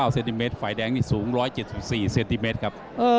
เซนติเมตรฝ่ายแดงนี่สูง๑๗๔เซนติเมตรครับ